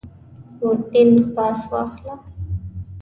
بوردینګ پاس واخله.